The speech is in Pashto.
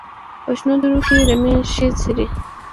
په شنو درو کې رمې ښې څري.